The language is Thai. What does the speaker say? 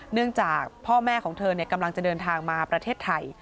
เนื่องจากพ่อแม่ของเธอกำลังจะเดินทางมาประเทศไทย